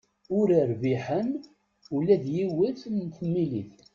Ur rbiḥen ula d yiwet n temilit.